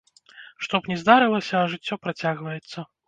Што б ні здарылася, а жыццё працягваецца.